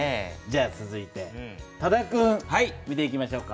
続いて多田君見ていきましょうか。